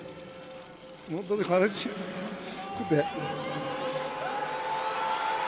本当に悲しくて。